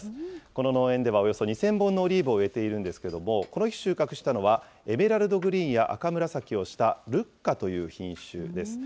この農園ではおよそ２０００本のオリーブを植えているんですけれども、この日収穫したのは、エメラルドグリーンや赤紫をしたルッカという品種です。